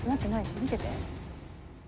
見てて」